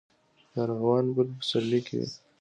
د ارغوان ګل په پسرلي کې وي